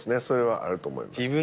それはあると思います。